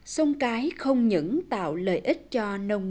sông cái không những tạo lợi ích cho người dân quanh vùng này